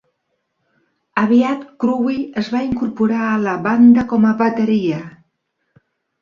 Aviat Croowe es va incorporar a la banda com a bateria.